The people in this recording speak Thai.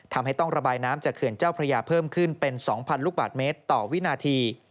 ทำให้ต้องระบายน้ำจากเขื่อนเจ้าพระยาเพิ่มขึ้นเป็น๒๐๐ลูกบาทเมตรต่อวินาที